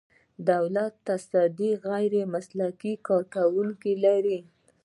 دولتي تصدۍ غیر مسلکي کارکوونکي لري.